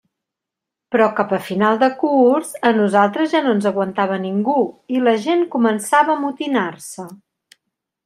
Però cap a final de curs, a nosaltres ja no ens aguantava ningú, i la gent començava a amotinar-se.